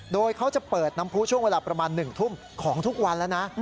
โดยเขาจะเปิดน้ำผู้ช่วงเวลาประมาณ๑ทุ่มของทุกวันแล้วนะ